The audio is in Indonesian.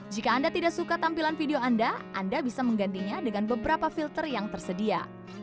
jika anda tidak suka tampilan video anda anda bisa menggantinya dengan beberapa filter yang tersedia